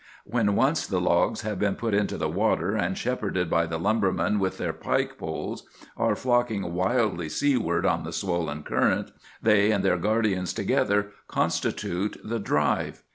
"When once the logs have been got into the water, and, shepherded by the lumbermen with their pike poles, are flocking wildly seaward on the swollen current, they and their guardians together constitute 'the drive.